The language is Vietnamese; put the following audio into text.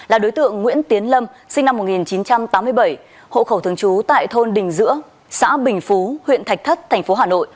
là đối tượng nguyễn tiến lâm sinh năm một nghìn chín trăm tám mươi bảy hộ khẩu thường trú tại thôn đình dữa xã bình phú huyện thạch thất tp hà nội